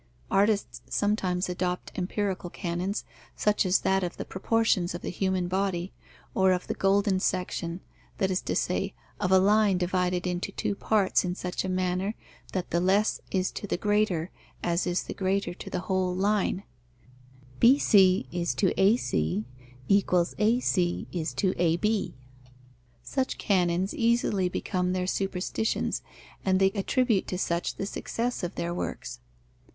Artists sometimes adopt empirical canons, such as that of the proportions of the human body, or of the golden section, that is to say, of a line divided into two parts in such a manner that the less is to the greater as is the greater to the whole line (bc: ac=ac: ab). Such canons easily become their superstitions, and they attribute to such the success of their works.